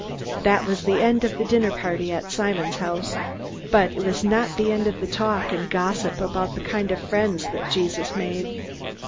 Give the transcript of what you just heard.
That was the end of the dinner party at Simon's house. But it was not the end of the talk and gossip about the kind of friends that Jesus made.